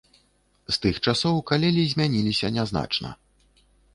З тых часоў калелі змяніліся нязначна.